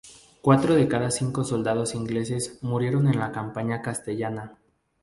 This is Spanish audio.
Cuatro de cada cinco soldados ingleses murieron en la campaña castellana.